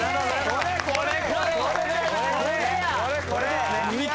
これこれ。